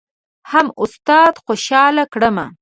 هم استاد خوشحاله کړم.